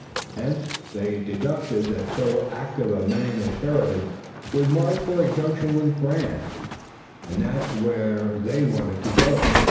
Hence, they deduced that so active a man as Sheridan would march for a junction with Grant, and that was where they wanted to go.